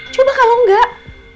coba kalau enggak